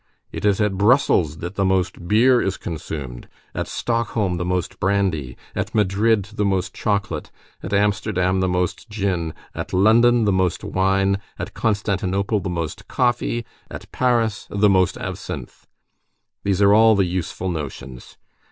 It is at Brussels that the most beer is consumed, at Stockholm the most brandy, at Madrid the most chocolate, at Amsterdam the most gin, at London the most wine, at Constantinople the most coffee, at Paris the most absinthe; there are all the useful notions.